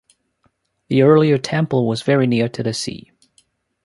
The earlier temple was very near to the sea.